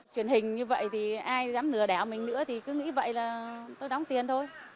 chuyển hình như vậy thì ai dám nửa đẻo mình nữa thì cứ nghĩ vậy là tôi đóng tiền thôi